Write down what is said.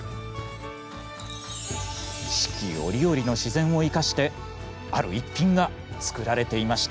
四季折々の自然をいかしてある逸品が作られていました。